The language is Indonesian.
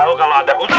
bersama bapak bakia